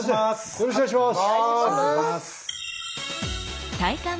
よろしくお願いします！